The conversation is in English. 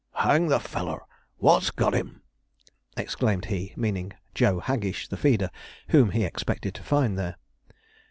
'Hang the feller! what's got 'im!' exclaimed he, meaning Joe Haggish, the feeder, whom he expected to find there.